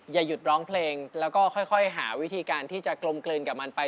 อย่าหยุดร้องเพลงแล้วก็ค่อยหาวิธีการที่จะกลมกลืนกับมันไป